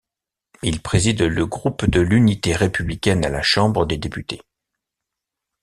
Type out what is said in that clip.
Il préside le groupe de l'Unité républicaine à la Chambre des députés.